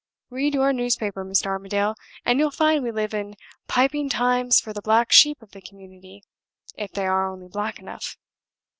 Read your newspaper, Mr. Armadale, and you'll find we live in piping times for the black sheep of the community if they are only black enough.